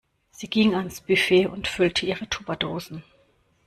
Sie ging ans Buffet und füllte ihre Tupperdosen.